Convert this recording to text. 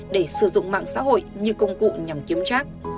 để sử dụng mạng xã hội như công cụ nhằm kiếm trác